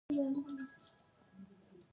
هرات د افغانستان د طبیعت یوه برخه ده.